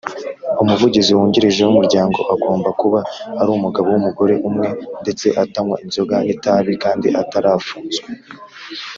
Umuvugizi Wungirije w umuryango agomba kuba arumugabo wumugore umwe ndetse atanywa inzoga n’ itabi kandi atarafunzwe .